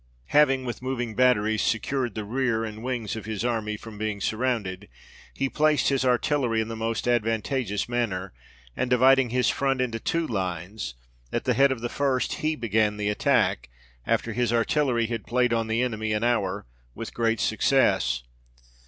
Having, with moving batteries, secured the rear and wings of his army from being surrounded, he placed his artillery in the most advantageous manner ; and dividing his front into two lines, at the head of the GEORGE VI. RELIEVES VIENNA. 47 first he began the attack, after his artillery had played on the enemy an hour, with great success.